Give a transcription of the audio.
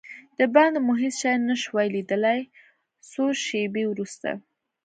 دباندې مو هېڅ شی نه شوای لیدلای، څو شېبې وروسته.